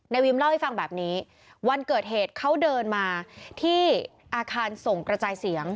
วิมเล่าให้ฟังแบบนี้วันเกิดเหตุเขาเดินมาที่อาคารส่งกระจายเสียง